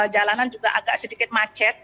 jalanan juga agak sedikit macet